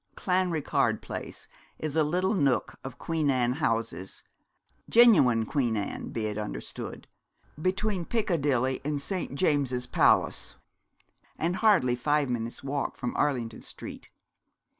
Clanricarde Place is a little nook of Queen Anne houses genuine Queen Anne, be it understood between Piccadilly and St. James's Palace, and hardly five minutes' walk from Arlington Street.